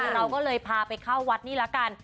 เราก็เลยพาไปเข้าวัดนี่ละกัน